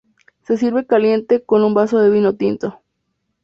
Se sirve caliente con un vaso de vino tinto.